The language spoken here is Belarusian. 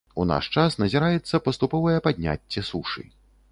У наш час назіраецца паступовае падняцце сушы.